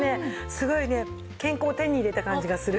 すごいね健康を手に入れた感じがする。